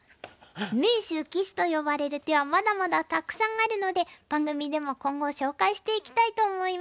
名手・鬼手と呼ばれる手はまだまだたくさんあるので番組でも今後紹介していきたいと思います。